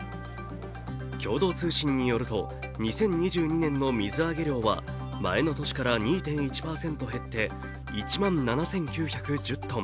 共同通信によると２０２２年の水揚げ量は前の年から２．１％減って１万７９１０ｔ。